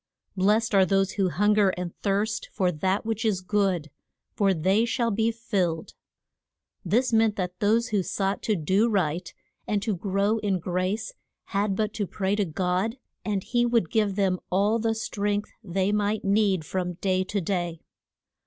Blest are those who hun ger and thirst for that which is good, for they shall be filled. This meant that those who sought to do right and to grow in grace had but to pray to God, and he would give them all the strength they might need from day to day.